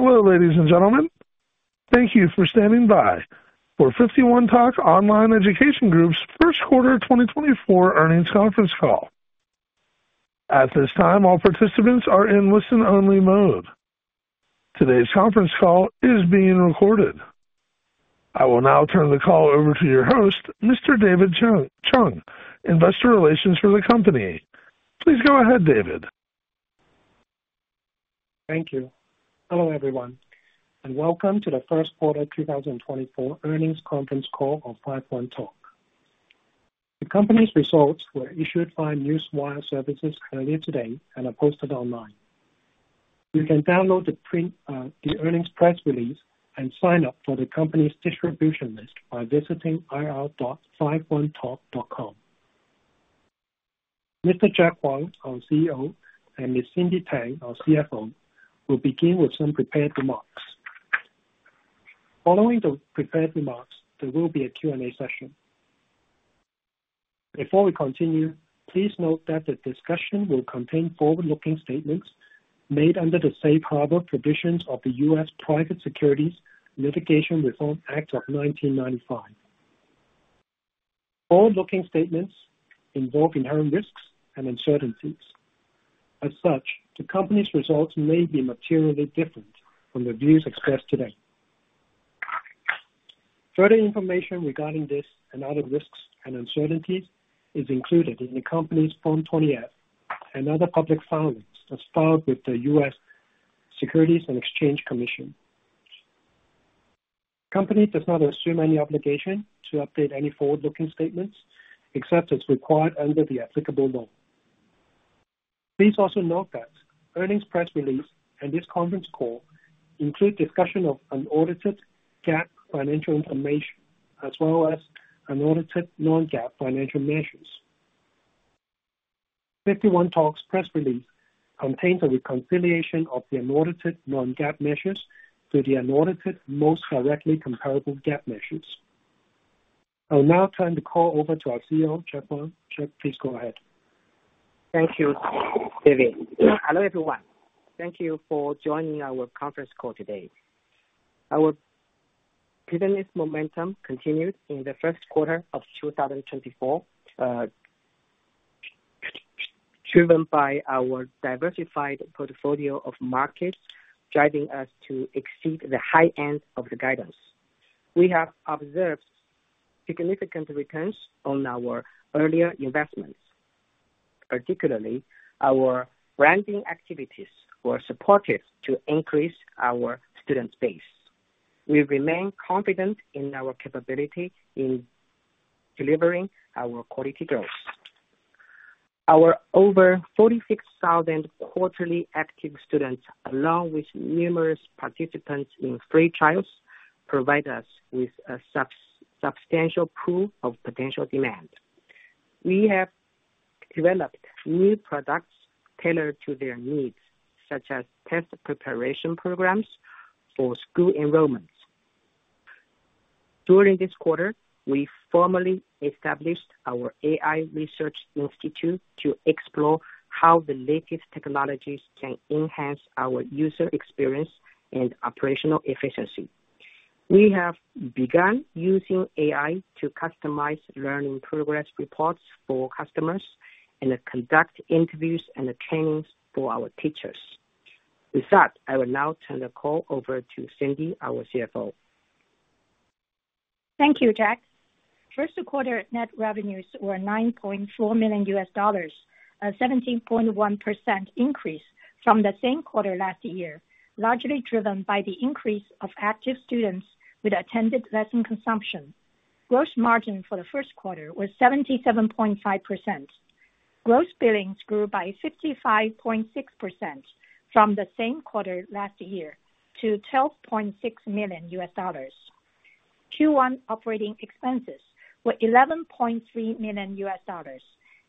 Hello, ladies and gentlemen. Thank you for standing by for 51Talk Online Education Group's first quarter 2024 earnings conference call. At this time, all participants are in listen-only mode. Today's conference call is being recorded. I will now turn the call over to your host, Mr. David Chung, Investor Relations for the company. Please go ahead, David. Thank you. Hello, everyone, and welcome to the first quarter 2024 earnings conference call of 51Talk. The company's results were issued by Newswire services earlier today and are posted online. You can download the earnings press release and sign up for the company's distribution list by visiting ir.51talk.com. Mr. Jack Huang, our CEO, and Ms. Cindy Tang, our CFO, will begin with some prepared remarks. Following the prepared remarks, there will be a Q&A session. Before we continue, please note that the discussion will contain forward-looking statements made under the safe harbor provisions of the U.S. Private Securities Litigation Reform Act of 1995. Forward-looking statements involve inherent risks and uncertainties. As such, the company's results may be materially different from the views expressed today. Further information regarding this and other risks and uncertainties is included in the company's Form 20-F and other public filings as filed with the U.S. Securities and Exchange Commission. The company does not assume any obligation to update any forward-looking statements except as required under the applicable law. Please also note that the earnings press release and this conference call include discussion of unaudited GAAP financial information as well as unaudited non-GAAP financial measures. 51Talk's press release contains a reconciliation of the unaudited non-GAAP measures to the unaudited most directly comparable GAAP measures. I will now turn the call over to our CEO, Jack Huang. Jack, please go ahead. Thank you, David. Hello, everyone. Thank you for joining our conference call today. Our business momentum continued in the first quarter of 2024, driven by our diversified portfolio of markets driving us to exceed the high end of the guidance. We have observed significant returns on our earlier investments. Particularly, our branding activities were supportive to increase our student base. We remain confident in our capability in delivering our quality growth. Our over 46,000 quarterly active students, along with numerous participants in free trials, provide us with a substantial proof of potential demand. We have developed new products tailored to their needs, such as test preparation programs for school enrollments. During this quarter, we formally established our AI Research Institute to explore how the latest technologies can enhance our user experience and operational efficiency. We have begun using AI to customize learning progress reports for customers and conduct interviews and trainings for our teachers. With that, I will now turn the call over to Cindy, our CFO. Thank you, Jack. First quarter net revenues were $9.4 million, a 17.1% increase from the same quarter last year, largely driven by the increase of active students with attended lesson consumption. Gross margin for the first quarter was 77.5%. Gross billings grew by 55.6% from the same quarter last year to $12.6 million. Q1 operating expenses were $11.3 million,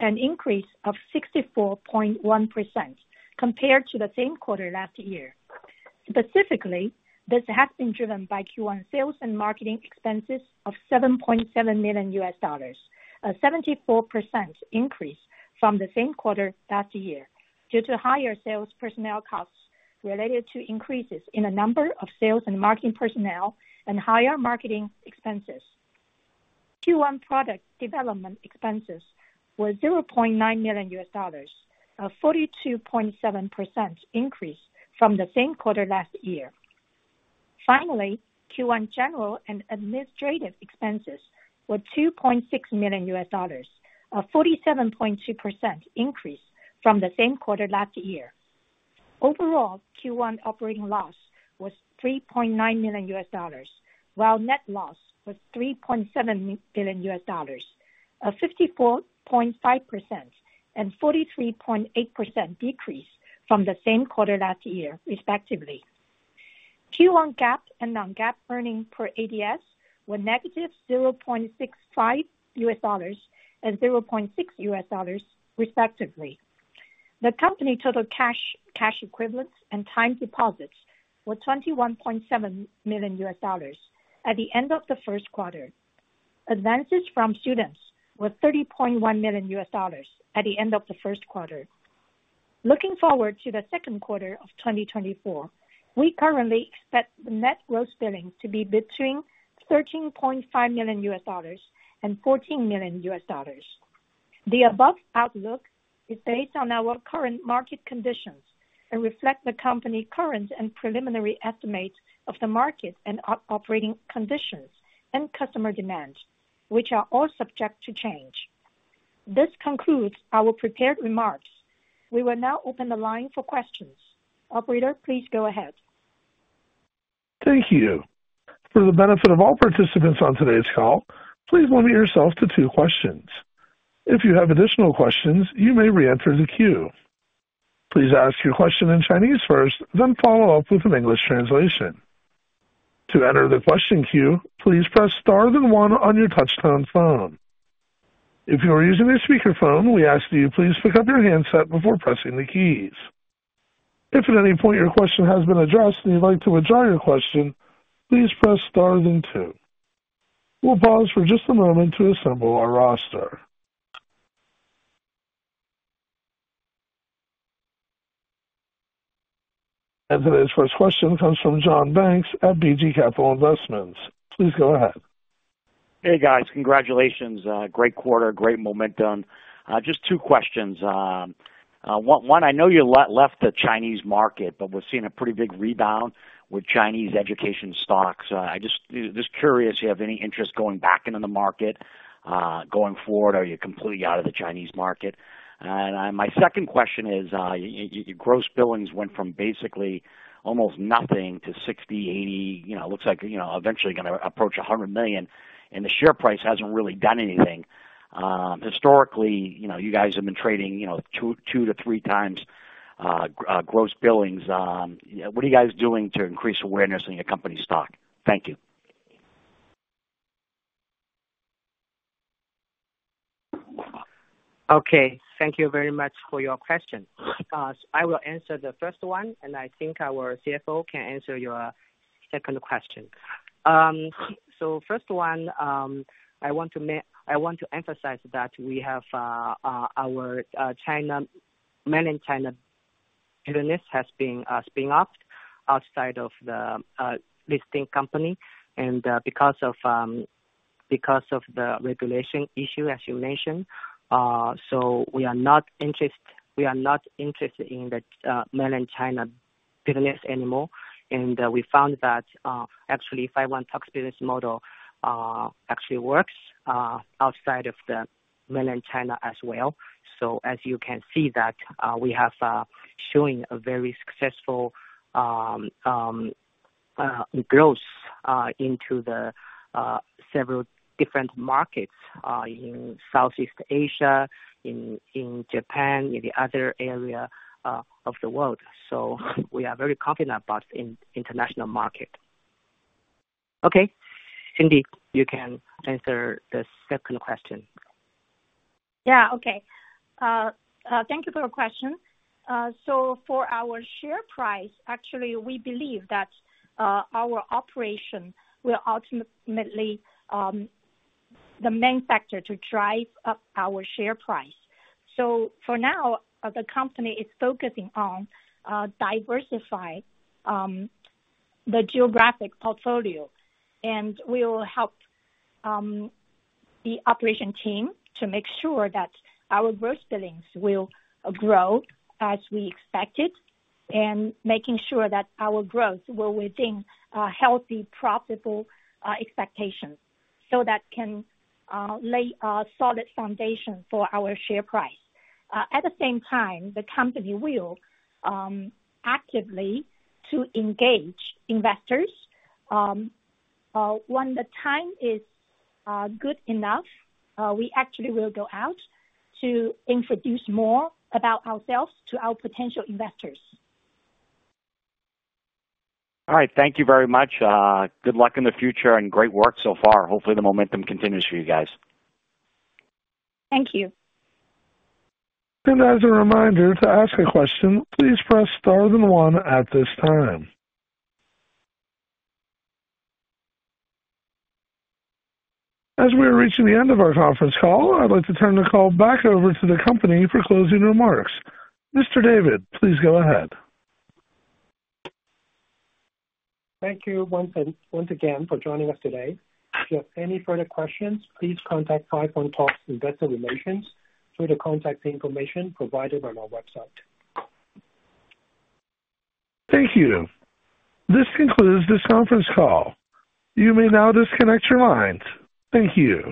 an increase of 64.1% compared to the same quarter last year. Specifically, this has been driven by Q1 sales and marketing expenses of $7.7 million, a 74% increase from the same quarter last year due to higher sales personnel costs related to increases in the number of sales and marketing personnel and higher marketing expenses. Q1 product development expenses were $0.9 million, a 42.7% increase from the same quarter last year. Finally, Q1 general and administrative expenses were $2.6 million, a 47.2% increase from the same quarter last year. Overall, Q1 operating loss was $3.9 million, while net loss was $3.7 million, a 54.5% and 43.8% decrease from the same quarter last year, respectively. Q1 GAAP and non-GAAP earnings per ADS were -$0.65 and -$0.60, respectively. The company's total cash equivalents and time deposits were $21.7 million at the end of the first quarter. Advances from students were $30.1 million at the end of the first quarter. Looking forward to the second quarter of 2024, we currently expect the net gross billing to be between $13.5 million and $14 million. The above outlook is based on our current market conditions and reflects the company's current and preliminary estimates of the market and operating conditions and customer demand, which are all subject to change. This concludes our prepared remarks. We will now open the line for questions. Operator, please go ahead. Thank you. For the benefit of all participants on today's call, please limit yourself to two questions. If you have additional questions, you may re-enter the queue. Please ask your question in Chinese first, then follow up with an English translation. To enter the question queue, please press star then one on your touch-tone phone. If you are using a speakerphone, we ask that you please pick up your handset before pressing the keys. If at any point your question has been addressed and you'd like to withdraw your question, please press star then two. We'll pause for just a moment to assemble our roster. And today's first question comes from John Banks at BG Capital Investments. Please go ahead. Hey, guys. Congratulations. Great quarter, great momentum. Just two questions. One, I know you left the Chinese market, but we've seen a pretty big rebound with Chinese education stocks. I'm just curious if you have any interest going back into the market going forward or you're completely out of the Chinese market. And my second question is, your gross billings went from basically almost nothing to $60 million, $80 million, looks like eventually going to approach $100 million, and the share price hasn't really done anything. Historically, you guys have been trading 2x to 3x times gross billings. What are you guys doing to increase awareness in your company stock? Thank you. Okay. Thank you very much for your question. I will answer the first one, and I think our CFO can answer your second question. So first one, I want to emphasize that we have our main China business has been spun off outside of the listing company because of the regulation issue, as you mentioned. So we are not interested in the Mainland China business anymore. And we found that actually 51Talk's business model actually works outside of the Mainland China as well. So as you can see, we have shown a very successful growth into several different markets in Southeast Asia, in Japan, in the other area of the world. So we are very confident about the international market. Okay. Cindy, you can answer the second question. Yeah. Okay. Thank you for your question. So for our share price, actually, we believe that our operation will ultimately be the main factor to drive up our share price. So for now, the company is focusing on diversifying the geographic portfolio, and we will help the operation team to make sure that our gross billings will grow as we expected and making sure that our growth will within healthy, profitable expectations so that can lay a solid foundation for our share price. At the same time, the company will actively engage investors. When the time is good enough, we actually will go out to introduce more about ourselves to our potential investors. All right. Thank you very much. Good luck in the future and great work so far. Hopefully, the momentum continues for you guys. Thank you. As a reminder to ask a question, please press star then one at this time. As we are reaching the end of our conference call, I'd like to turn the call back over to the company for closing remarks. Mr. David, please go ahead. Thank you once again for joining us today. If you have any further questions, please contact 51Talk's investor relations through the contact information provided on our website. Thank you. This concludes this conference call. You may now disconnect your lines. Thank you.